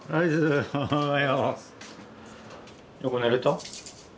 よく寝れました。